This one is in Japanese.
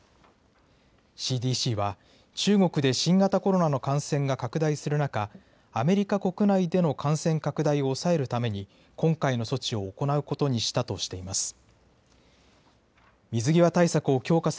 ＣＤＣは、中国で新型コロナの感染が拡大する中、アメリカ国内での感染拡大を抑えるために、今回の措置を行うことにしたとしています。